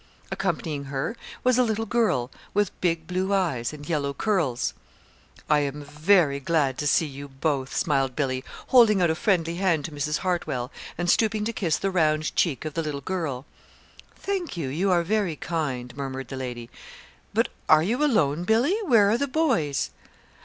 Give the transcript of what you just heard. Accompanying her was a little girl with big blue eyes and yellow curls. "I am very glad to see you both," smiled Billy, holding out a friendly hand to Mrs. Hartwell, and stooping to kiss the round cheek of the little girl. "Thank you, you are very kind," murmured the lady; "but are you alone, Billy? Where are the boys?"